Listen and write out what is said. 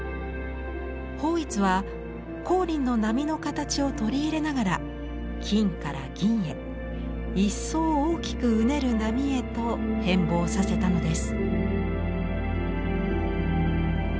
抱一は光琳の波の形を取り入れながら金から銀へ一層大きくうねる波へと変貌させたのです。